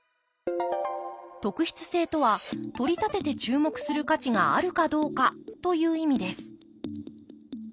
特筆性とはとりたてて注目する価値があるかどうかという意味です